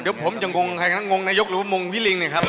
เดี๋ยวผมจะงงใครกันนะงงนายกหรือว่ามงพี่ลิงเนี่ยครับ